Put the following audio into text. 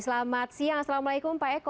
selamat siang assalamualaikum pak eko